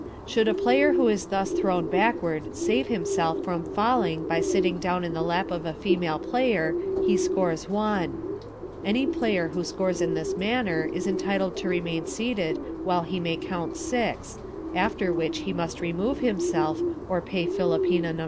Should a player who is thus thrown backward save himself from falling by sitting down in the lap of a female player, he scores one. Any player who scores in this manner is entitled to remain seated while he may count six, after which he must remove himself or pay philopena No.